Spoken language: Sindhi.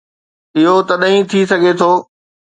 اهو تڏهن ئي ٿي سگهي ٿو.